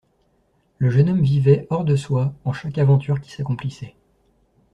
Le jeune homme vivait, hors de soi, en chaque aventure qui s'accomplissait.